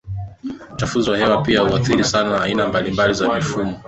uchafuzi wa hewa pia huathiri sana aina mbalimbali za mifumo ya